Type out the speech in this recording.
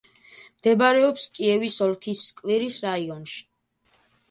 მდებარეობს კიევის ოლქის სკვირის რაიონში.